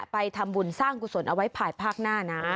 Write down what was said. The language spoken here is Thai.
ไปทำบุญสร้างกุศลเอาไว้ภายภาคหน้านะ